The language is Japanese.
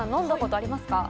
あります。